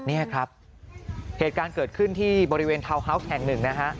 เนี้ยครับเหตุการณ์เกิดขึ้นที่บริเวณแห่งหนึ่งนะฮะ